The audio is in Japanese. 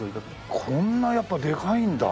こんなやっぱでかいんだ。